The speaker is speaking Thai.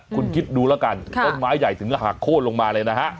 คุณคิดดูแล้วกันต้นไม้ใหญ่ถึงก็หักโค้นลงมาเลยนะฮะ